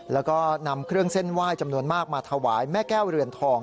แล้วก็นำเครื่องเส้นไหว้จำนวนมากมาถวายแม่แก้วเรือนทอง